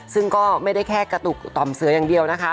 ซึ่งก็ไม่ได้แค่กระตุกต่อมเสืออย่างเดียวนะคะ